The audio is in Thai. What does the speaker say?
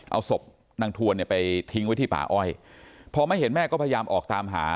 เอาศพนางทวนเนี่ยไปทิ้งไว้ที่ป่าอ้อยพอไม่เห็นแม่ก็พยายามออกตามหา